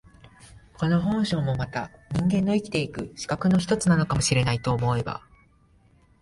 この本性もまた人間の生きて行く資格の一つなのかも知れないと思えば、